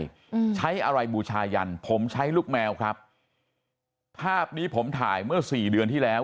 อืมใช้อะไรบูชายันผมใช้ลูกแมวครับภาพนี้ผมถ่ายเมื่อสี่เดือนที่แล้ว